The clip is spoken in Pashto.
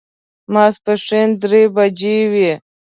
ماسپښین درې بجې وې.